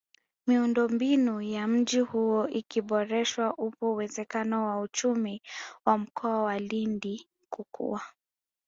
Miundombinu ya mji huo ikiboreshwa upo uwezekano wa uchumi wa Mkoa wa Lindi kukua